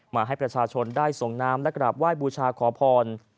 มาให้ประชาชนได้ส่งน้ำและกราบไหว้บูชาขอพร